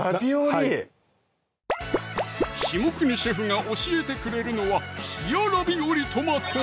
はい下國シェフが教えてくれるのは「ひやラビオリトマト」